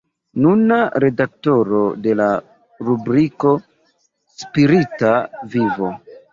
Nuna redaktoro de la rubriko Spirita Vivo.